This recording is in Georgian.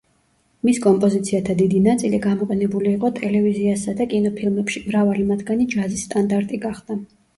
მის კომპოზიციათა დიდი ნაწილი გამოყენებული იყო ტელევიზიასა და კინოფილმებში, მრავალი მათგანი ჯაზის სტანდარტი გახდა.